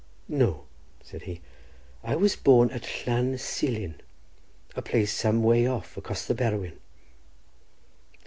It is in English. "No," said he; "I was born at Llan Silin, a place some way off across the Berwyn."